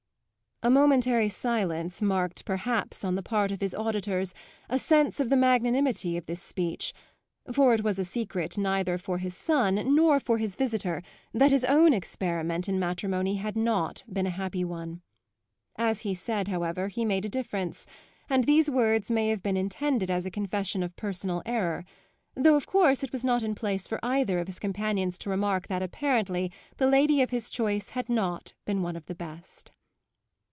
A momentary silence marked perhaps on the part of his auditors a sense of the magnanimity of this speech, for it was a secret neither for his son nor for his visitor that his own experiment in matrimony had not been a happy one. As he said, however, he made a difference; and these words may have been intended as a confession of personal error; though of course it was not in place for either of his companions to remark that apparently the lady of his choice had not been one of the best.